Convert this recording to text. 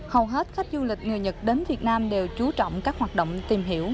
hầu hết khách du lịch người nhật đến việt nam đều chú trọng các hoạt động tìm hiểu